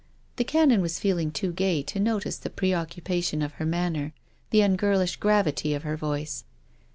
The Canon was feeling too gay to notice the preoccupation of her manner, the ungirlish gravity of her voice.